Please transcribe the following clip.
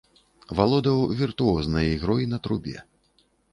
Валодаў віртуознай ігрой на трубе.